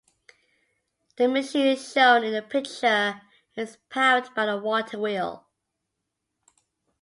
The machine, shown in the picture, is powered by a water wheel.